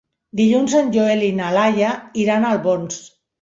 Dilluns en Joel i na Laia iran a Albons.